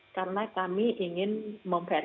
karena kami ingin memverifikasi